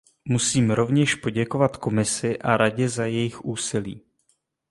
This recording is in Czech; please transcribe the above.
Musím rovněž poděkovat Komisi a Radě za jejich úsilí.